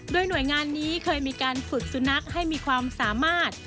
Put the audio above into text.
โดยหน่วยงานนี้เคยมีการฝึกสุนัขให้มีความสามารถ